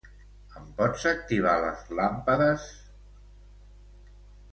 Em pots activar les làmpades?